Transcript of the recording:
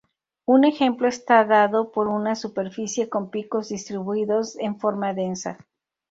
Un ejemplo está dado por una superficie con picos distribuidos en forma densa.